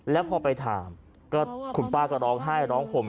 แล้วพอไปถามก็คุณป้าก็ร้องไห้ร้องห่ม